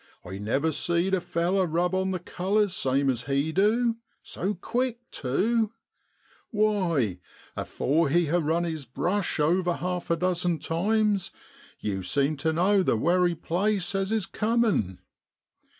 I never seed a feller rub on the colours same as he du, so quick tew; why, afore he ha' run his brush over half a dozen times yew seem tu know the wery place as is comin'.